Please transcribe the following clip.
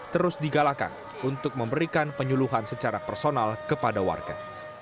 terus digalakan untuk memberikan penyuluhan secara personal kepada warga